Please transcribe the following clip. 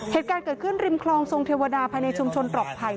เหตุการณ์เกิดขึ้นริมคลองทรงเทวดาภายในชุมชนปลอดภัย